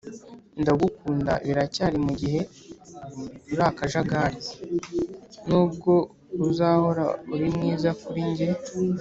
ndagukunda biracyari mugihe uri akajagari (nubwo uzahora uri mwiza kuri njye)